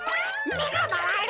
めがまわる。